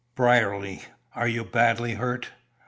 "Brierly! Are you badly hurt?"